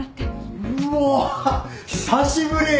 うわっ久しぶり！